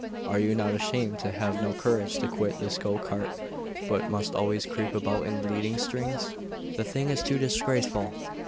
Are you not ashamed to have no courage to quit this go cart, but must always creep about in leading strings? The thing is too disgraceful!